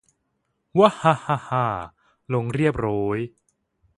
วะฮะฮะฮ่า ลง เรียบโร้ย